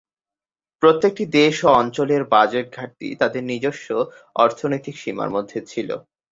প্রত্যেকটি দেশ ও অঞ্চলের বাজেট ঘাটতি তাদের নিজস্ব অর্থনৈতিক সীমার মধ্যে ছিল।